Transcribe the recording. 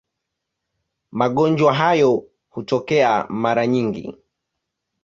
Magonjwa hayo hutokea mara nyingi.